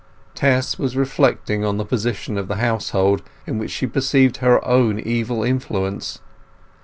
Tess was reflecting on the position of the household, in which she perceived her own evil influence.